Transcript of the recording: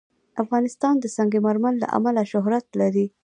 افغانستان د سنگ مرمر له امله شهرت لري.